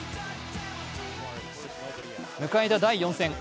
迎えた第４戦。